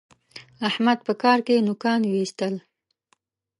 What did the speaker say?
احمد په کار کې نوکان واېستل.